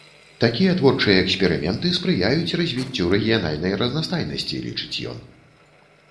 Такія творчыя эксперыменты спрыяюць развіццю рэгіянальнай разнастайнасці, лічыць ён.